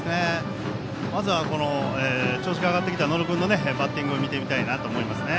まず、調子が上がってきた野呂君のバッティングを見てみたいと思います。